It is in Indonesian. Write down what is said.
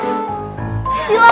terima kasih pak